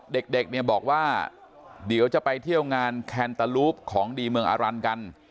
เด็กเด็กเนี่ยบอกว่าเดี๋ยวจะไปเที่ยวงานของดีเมืองอรันทร์กัน